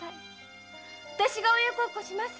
あたしが親孝行します。